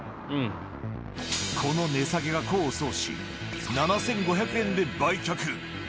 この値下げが功を奏し、７５００円で売却。